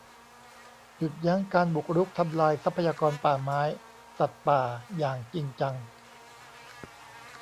หยุดยั้งการบุกรุกทำลายทรัพยากรป่าไม้ สัตว์ป่า อย่างจริงจัง